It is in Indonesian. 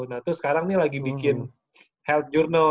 nah terus sekarang ini lagi bikin health journal